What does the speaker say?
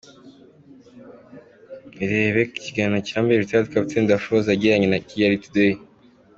Irebere ikiganiro kirambuye Rtd Capt Daphrosa yagiranye na Kigali Today.